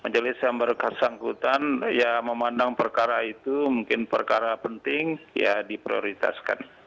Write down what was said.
majelis yang bersangkutan ya memandang perkara itu mungkin perkara penting ya diprioritaskan